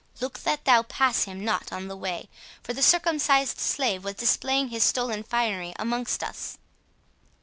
Look that thou pass him not on the way; for the circumcised slave was displaying his stolen finery amongst us."